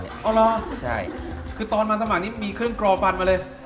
อ๋อเหรอใช่คือตอนมาสมัครนี้มีเครื่องกรอฟันมาเลย